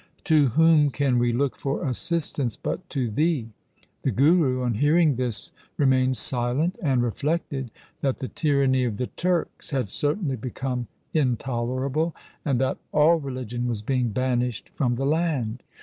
To whom can we look for assistance but to thee ?' The Guru on hearing this remained silent, and reflected that the tyranny of the Turks had certainly become intolerable, and that all religion was being banished from the land.